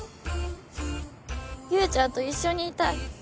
優ちゃんと一緒にいたい。